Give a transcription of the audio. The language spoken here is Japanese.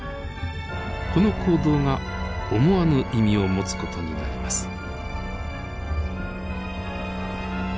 この行動が思わぬ意味を持つ事になります。